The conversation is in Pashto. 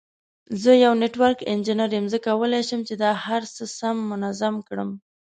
زه یو نټورک انجینیر یم، زه کولای شم چې دا هر څه سم منظم کړم.